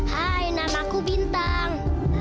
hai namaku bintang